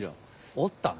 おったな。